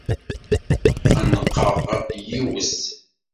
Xenqeɣ yiwet.